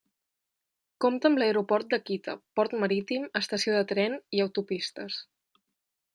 Compta amb l'aeroport d'Akita, port marítim, estació de tren i autopistes.